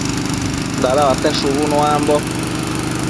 Dadauate shubu nuambo